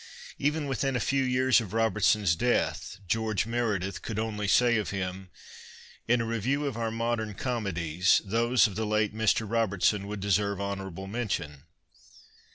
Even within a few years of Robertson's death George Meredith could only say of him :" In a review of our modern comedies, those of the late Mr. Robertson would deserve honourable mention."